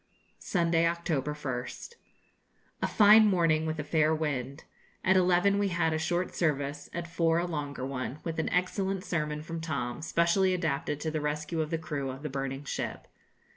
Sunday, October 1st. A fine morning, with a fair wind. At eleven we had a short service, at four a longer one, with an excellent sermon from Tom, specially adapted to the rescue of the crew of the burning ship.